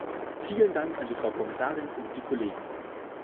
Vielen Dank an die Frau Kommissarin und die Kollegen.